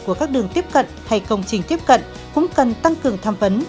của các đường tiếp cận hay công trình tiếp cận cũng cần tăng cường tham vấn